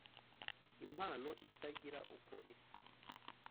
impano itagira uko isa